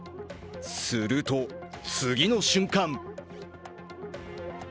すると次の瞬間